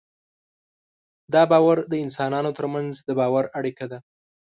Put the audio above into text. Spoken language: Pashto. دا باور د انسانانو تر منځ د باور اړیکه ده.